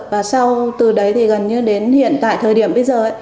và sau từ đấy thì gần như đến hiện tại thời điểm bây giờ